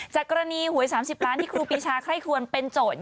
กรณีหวย๓๐ล้านที่ครูปีชาใคร่ควรเป็นโจทย์